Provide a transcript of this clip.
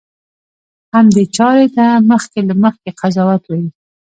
همدې چارې ته مخکې له مخکې قضاوت وایي.